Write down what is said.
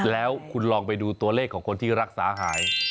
แล้วคุณลองไปดูตัวเลขของคนที่รักษาหาย